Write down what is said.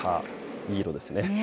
いい色ですね。